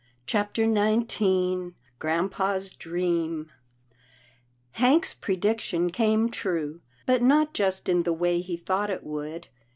CHAPTER XIX GRAM pa's dream Hank's prediction came true, but not just in the way he thought it would.